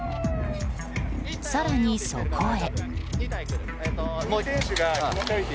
更に、そこへ。